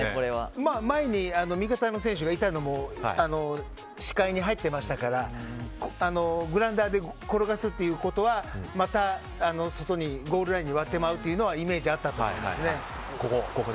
前に味方の選手がいたのも視界に入ってましたからグラウンダーで転がすというよりは外にゴールラインに転がすというイメージあったと思います。